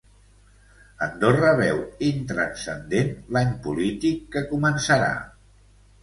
Andorra veu intranscendent l'any polític que començarà